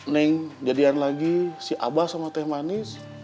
neng jadian lagi si abah sama teh manis